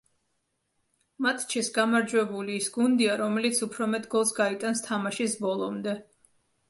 მატჩის გამარჯვებული ის გუნდია, რომელიც უფრო მეტ გოლს გაიტანს თამაშის ბოლომდე.